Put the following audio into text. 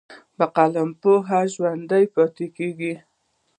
په قلم پوهه ژوندی پاتې کېږي.